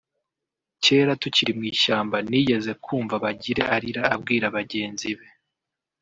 Cyera tukiri mw’ishyamba nigeze kumva Bagire arira abwira bagenzi be